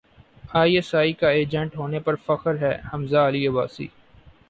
I S I کا ایجنٹ ہونے پر فخر ہے حمزہ علی عباسی